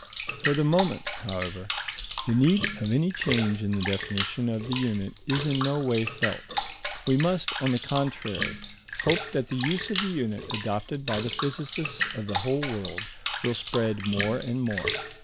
For the moment, however, the need of any change in the definition of the unit is in no way felt; we must, on the contrary, hope that the use of the unit adopted by the physicists of the whole world will spread more and more.